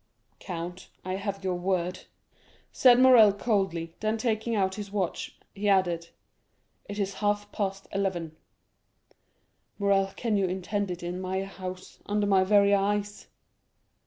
"Count, I have your word," said Morrel coldly; then taking out his watch, he added, "It is half past eleven." "Morrel, can you intend it in my house, under my very eyes?"